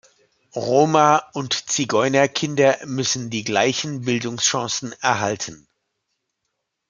Roma- und Zigeunerkinder müssen die gleichen Bildungschancen erhalten.